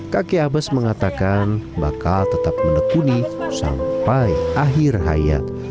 kakek abbas mengatakan bakal tetap menekuni sampai akhir hayat